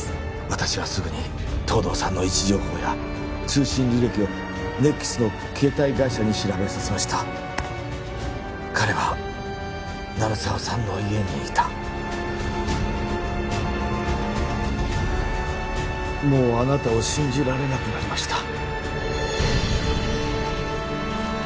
私はすぐに東堂さんの位置情報や通信履歴を ＮＥＸ の携帯会社に調べさせました彼は鳴沢さんの家にいたもうあなたを信じられなくなりました